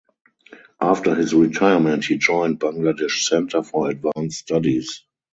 After his retirement he joined Bangladesh Center for Advanced Studies.